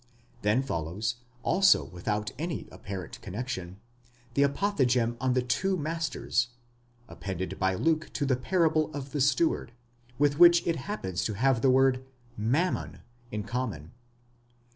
Then follows, also without any apparent connexion, the apothegm on the two masters, appended by Luke to the parable of the steward, with which it happens to have the word A/ammon, papwvas, in common.